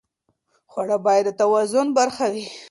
خواړه باید د توازن برخه وي.